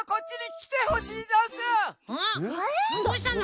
どうしたの？